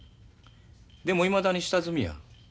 でもいまだに下積みや。